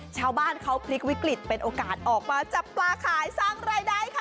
ชาวบ้านเขาพลิกวิกฤตเป็นโอกาสออกมาจับปลาขายสร้างรายได้ค่ะ